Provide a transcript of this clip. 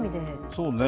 そうね。